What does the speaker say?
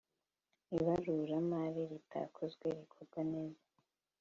ibaruramari ritakozwe rikorwa neza.